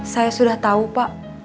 saya sudah tahu pak